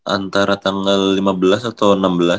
antara tanggal lima belas atau enam belas